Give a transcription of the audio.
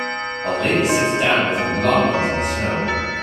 A lady sits down with her belongings in the snow.